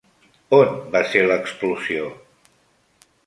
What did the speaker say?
On va ser l'explosió?